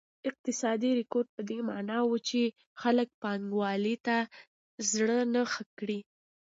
اقتصادي رکود په دې معنا و چې خلک پانګونې ته زړه نه ښه کړي.